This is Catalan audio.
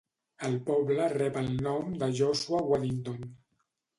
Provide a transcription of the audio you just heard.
El poble rep el nom de Joshua Waddington.